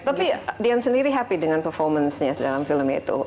tapi dian sendiri happy dengan performance nya dalam film itu